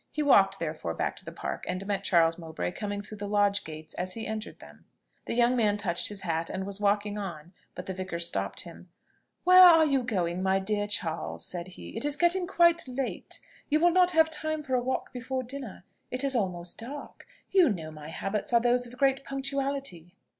He walked therefore back to the Park, and met Charles Mowbray coming through the lodge gates, as he entered them. The young man touched his hat, and was walking on; but the vicar stopped him. "Where are you going, my dear Charles?" said he. "It is getting quite late; you will not have time for a walk before dinner it is almost dark. You know my habits are those of great punctuality."